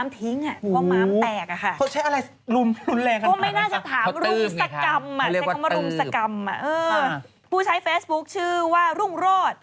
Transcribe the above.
ต้องตัดม้ามจุดทิ้ง